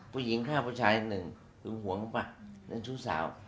ผู้หญิงฆ่าผู้ชายอย่างหนึ่งหัวของเขาเปล่าเรื่องชู้สาว